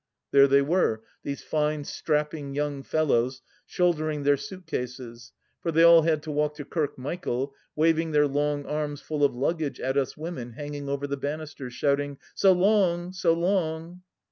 There they were, these fine strapping young fellows, shouldering their suit cases — for they all had to walk to Kirkmichael — waving their long arms full of luggage at us women hanging over the banisters, shouting, " So long 1 So long